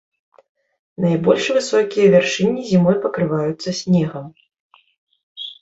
Найбольш высокія вяршыні зімой пакрываюцца снегам.